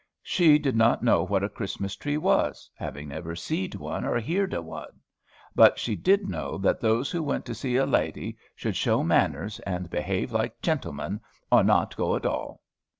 She did not know what a Christmas tree was, having never seed one nor heared of one. But she did know that those who went to see a lady should show manners and behave like jintlemen, or not go at all.